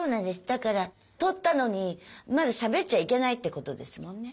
だから撮ったのにまだしゃべっちゃいけないってことですもんね。